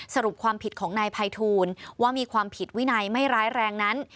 สรุปความผิดของนายภัยทูลว่ามีความผิดวินัยไม่ร้ายแรงนั้น